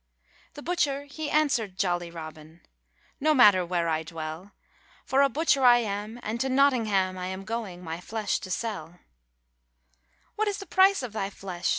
' The butcher he answered jolly Robin: 'No matter where I dwell; For a butcher I am, and to Notingham I am going, my flesh to sell.' [641 RAINBOW GOLD 'What is the price of thy flesh?'